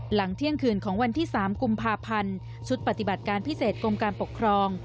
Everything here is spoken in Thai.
หลังเที่ยงคืนของวันที่๓กุมภาพันธ์ชุดปฏิบัติการพิเศษกรมการปกครอง